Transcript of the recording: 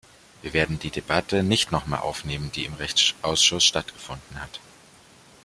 Wir werden die Debatte nicht noch einmal aufnehmen, die im Rechtausschuss stattgefunden hat.